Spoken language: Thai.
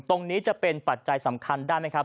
ตรงนี้จะเป็นปัจจัยสำคัญได้ไหมครับ